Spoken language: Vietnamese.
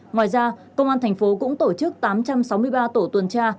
ngoài ra công an tp hcm cũng tổ chức tám trăm sáu mươi ba tổ tuần tra